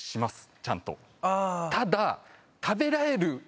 ただ。